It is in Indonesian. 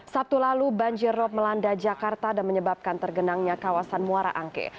sabtu lalu banjir rob melanda jakarta dan menyebabkan tergenangnya kawasan muara angke